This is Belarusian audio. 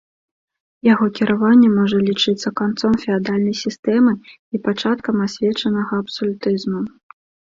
Яго кіраванне можа лічыцца канцом феадальнай сістэмы і пачаткам асвечанага абсалютызму.